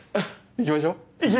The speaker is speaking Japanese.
行きましょうか。